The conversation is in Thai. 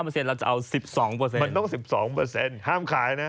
มันต้อง๑๒ห้ามขายนะ